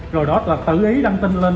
rồi đó là tự ý đăng tin lên